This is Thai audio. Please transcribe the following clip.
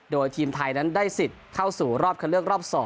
โดยทีมไทยนั้นได้สิทธิ์เข้าสู่รอบคันเลือกรอบ๒